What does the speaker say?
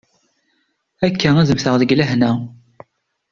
Akka ad mmteɣ deg lehna.